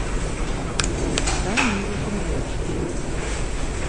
Самі не разумеючы гэтага.